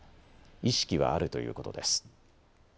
意識はあるということです。